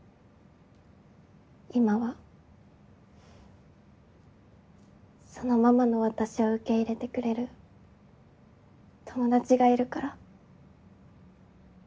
今はそのままの私を受け入れてくれる友達がいるから。